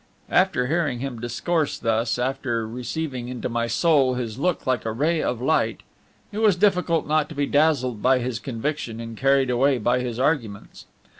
After hearing him discourse thus, after receiving into my soul his look like a ray of light, it was difficult not to be dazzled by his conviction and carried away by his arguments.